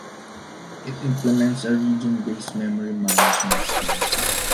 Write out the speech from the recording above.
It implements a region-based memory management scheme.